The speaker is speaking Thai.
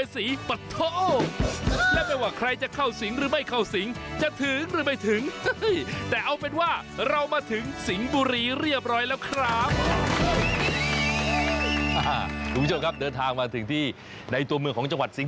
สวัสดีครับแนะนำตัวเองหน่อย